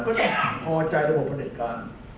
พอใจระบบประเด็ดการ